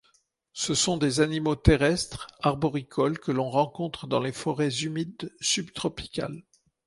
Ce sont des animaux terrestres arboricoles que l'on rencontre dans les forêts humides subtropicales.